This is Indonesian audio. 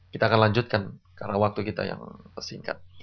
kita akan lanjutkan karena waktu kita yang singkat